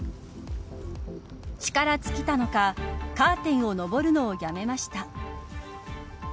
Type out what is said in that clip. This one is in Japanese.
力尽きたのかカーテンを上るのをやめました。